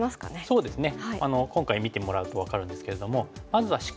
そうですね。